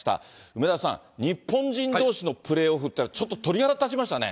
梅沢さん、日本人どうしのプレーオフというのは、ちょっと鳥肌立ちましたね。